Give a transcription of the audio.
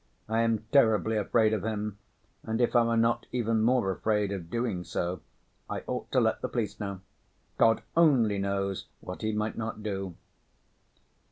I am terribly afraid of him, and if I were not even more afraid of doing so, I ought to let the police know. God only knows what he might not do!"